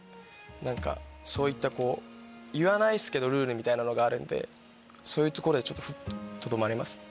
何かそういったこう言わないっすけどルールみたいなのがあるんでそういうところでふととどまりますね。